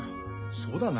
そうだな。